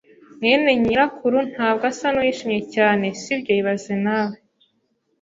mwene nyirakuru ntabwo asa nuwishimye cyane, sibyo ibaze nawe